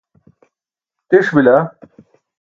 tiṣ bila